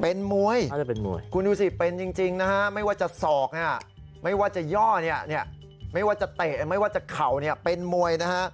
เป็นมวยคุณดูสิเป็นจริงนะฮะไม่ว่าจะศอกไม่ว่าจะย่อเนี่ยไม่ว่าจะเตะไม่ว่าจะเข่าเนี่ยเป็นมวยนะฮะ